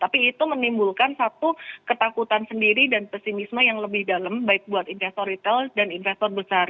tapi itu menimbulkan satu ketakutan sendiri dan pesimisme yang lebih dalam baik buat investor retail dan investor besar